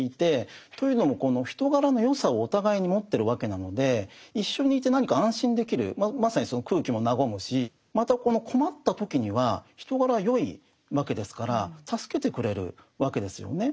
というのもこの人柄の善さをお互いに持ってるわけなので一緒にいて何か安心できるまさにその空気も和むしまたこの困った時には人柄は善いわけですから助けてくれるわけですよね。